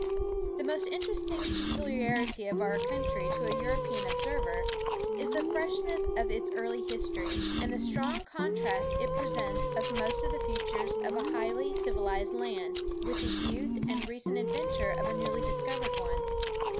The most interesting peculiarity of our country to a European observer, is the freshness of its early history, and the strong contrast it presents of most of the features of a highly civilized land, with the youth and recent adventure of a newly discovered one.